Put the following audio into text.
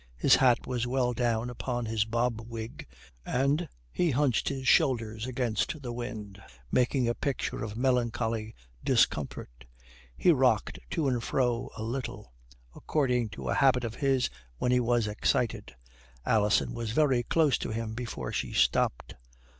His hat was well down upon his bobwig, and he hunched his shoulders against the wind, making a picture of melancholy discomfort. He rocked to and fro a little, according to a habit of his when he was excited. Alison was very close to him before she stopped.